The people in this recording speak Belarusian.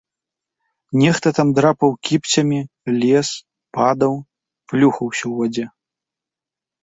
Нехта там драпаў кіпцямі, лез, падаў, плюхаўся ў вадзе.